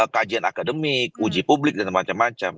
kajian akademik uji publik dan macam macam